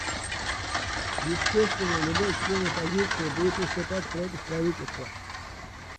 Естественно, любой член оппозиции будет выступать против правительства.